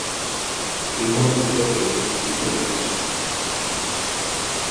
এই ধরনের বিতর্কের একটি দীর্ঘ ইতিহাস আছে।